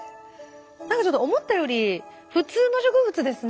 何かちょっと思ったより普通の植物ですね。